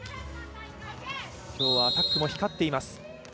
今日はアタックも光っています。